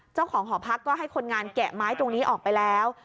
เจ้าของหอพักก็ให้คนงานแกะไม้ตรงนี้ออกไปแล้ว